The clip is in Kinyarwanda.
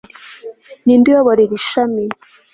Ninde uyobora iri shami